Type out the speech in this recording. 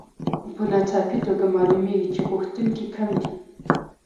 په ناڅاپي توګه معلومېږي چې غوښتونکي کم دي